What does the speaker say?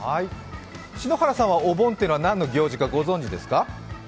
篠原さんはお盆というのは何の行事かご存じですか？